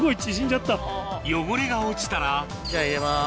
汚れが落ちたらじゃあ入れます。